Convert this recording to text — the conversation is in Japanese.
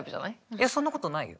いやそんなことないよ。